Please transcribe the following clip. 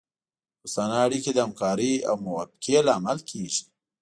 دوستانه اړیکې د همکارۍ او موافقې لامل کیږي